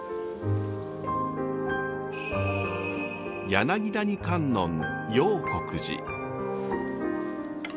柳谷観音楊谷寺。